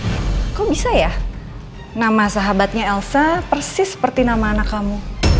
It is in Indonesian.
kok bisa ya nama sahabatnya elsa persis seperti nama anak kamu